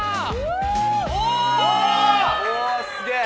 おすげぇ！